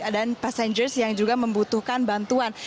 dan passengers yang juga membutuhkan bantuan